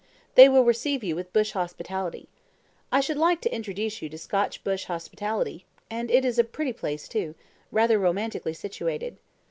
They will receive you with bush hospitality. I should like to introduce you to Scotch bush hospitality, and it is a pretty place, too; rather romantically situated."